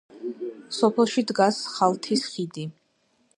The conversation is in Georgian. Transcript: სოფელში დგას „სხალთის ხიდი“.